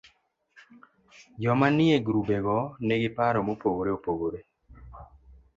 Joma nie grubego nigi paro mopogore opogre